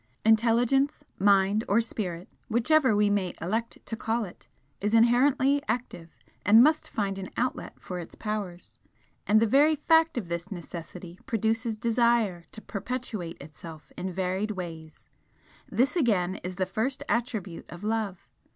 Intelligence, Mind, or Spirit, whichever we may elect to call it, is inherently active and must find an outlet for its powers, and the very fact of this necessity produces Desire to perpetuate Itself in varied ways: this again is the first attribute of Love.